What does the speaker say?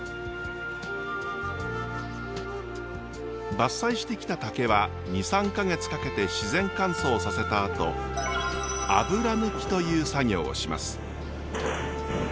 伐採してきた竹は２３か月かけて自然乾燥させたあと油抜きという作業をします。